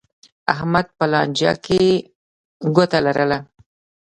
احمد په لانجه کې ګوته لرله.